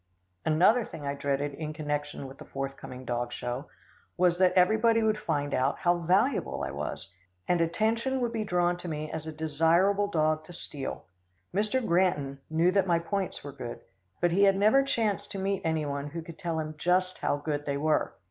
Another thing I dreaded in connection with the forthcoming dog show was, that everybody would find out how valuable I was, and attention would be drawn to me as a desirable dog to steal. Mr. Granton knew that my points were good, but he had never chanced to meet any one who could tell him just how good they were.